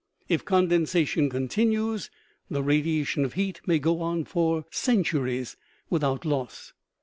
If condensation continues, the radiation of heat may go on for centuries without loss.